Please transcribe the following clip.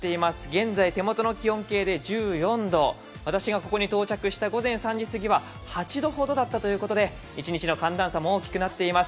現在、手元の気温計で１４度、私がここに到着した午前４時は８度ぐらいだったということで一日の寒暖差も大きくなっています。